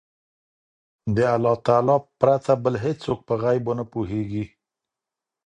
د الله تعالی پرته بل هيڅوک په غيبو نه پوهيږي